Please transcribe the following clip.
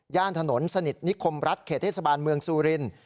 ถนนสนิทนิคมรัฐเขตเทศบาลเมืองซูรินทร์